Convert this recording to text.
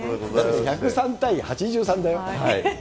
だって１０３対８３だよ。